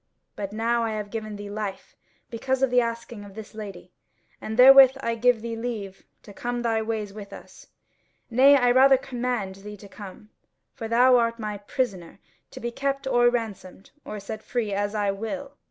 But now I have given thee life because of the asking of this lady; and therewith I give thee leave to come thy ways with us: nay, rather I command thee to come, for thou art my prisoner, to be kept or ransomed, or set free as I will.